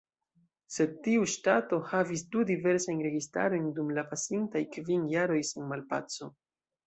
Sed tiu ŝtato havis du diversajn registarojn dum la pasintaj kvin jaroj, sen malpaco.